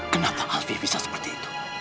kenapa alfie bisa seperti itu